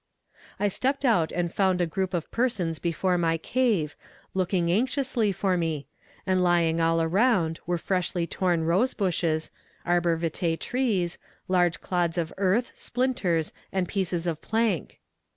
"I stepped out and found a group of persons before my cave, looking anxiously for me, and lying all around were freshly torn rose bushes, arborvitæ trees, large clods of earth, splinters, and pieces of plank.